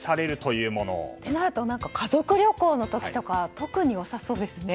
そうなると、家族旅行の時とか良さそうですね。